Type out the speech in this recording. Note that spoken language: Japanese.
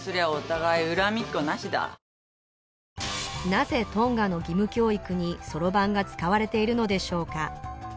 なぜトンガの義務教育にそろばんが使われているのでしょうか